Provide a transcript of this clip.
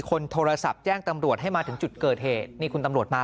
คนโทรศัพท์แจ้งตำรวจให้มาถึงจุดเกิดเหตุนี่คุณตำรวจมา